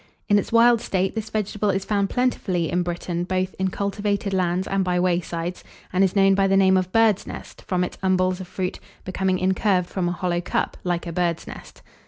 In its wild state, this vegetable is found plentifully in Britain, both in cultivated lands and by waysides, and is known by the name of birds nest, from its umbels of fruit becoming incurved from a hollow cup, like a birds nest.